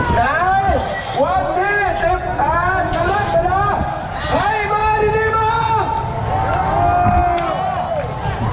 แล้ววันนี้จุดแห่งสำรรคเวลาใครมาที่นี่บ้าง